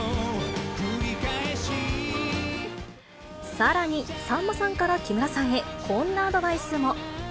さらに、さんまさんから木村さんへ、こんなアドバイスも。